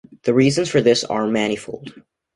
The reasons for this are manifold.